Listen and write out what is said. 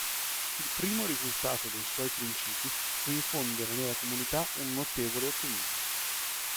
Il primo risultato dei suoi principi fu infondere nella comunità un notevole ottimismo.